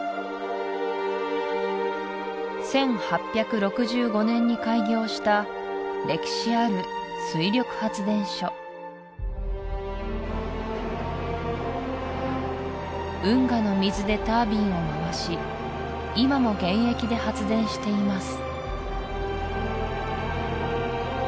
１８６５年に開業した歴史ある水力発電所運河の水でタービンを回し今も現役で発電しています